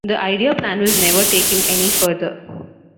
The idea plan was never taken any further.